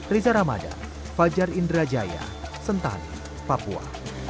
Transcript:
rizal ramadhan fajar indrajaya sentan papua